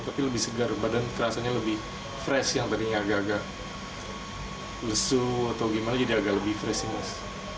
tapi lebih segar badan kerasanya lebih fresh yang tadinya agak agak lesu atau gimana jadi agak lebih fresh mas